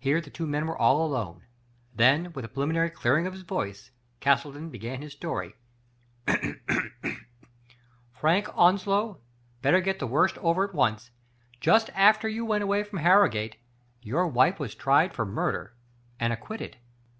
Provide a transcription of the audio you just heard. Here the two men were all alone. Then, with a preliminary clearing of his voice, Castleton began his story :" Frank Onslow — better get the worst over at once — ^just after you went away from Harrogate your wife was tried for murder and acquitted."